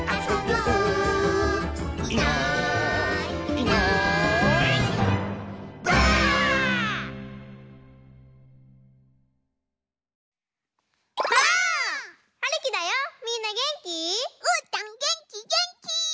うーたんげんきげんき！